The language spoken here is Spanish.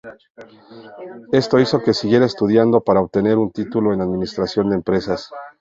Esto hizo que siguiera estudiando para obtener un título en Administración de Empresas.